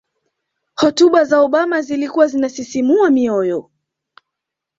hotuba za obama zilikuwa zinasisimua mioyo